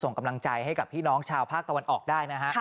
ส่งกำลังใจให้กับพี่น้องชาวภาคตะวันออกได้นะฮะ